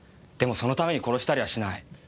でもそのために殺したりはしない。